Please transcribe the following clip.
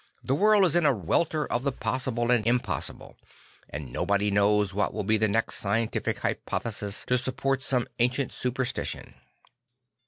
The world is in a welter of the possible and impossible, and nobody knows what will be the next scientific hypothesis to support some ancient superstition.